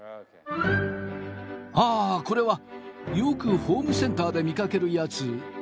ああこれはよくホームセンターで見かけるやつですね。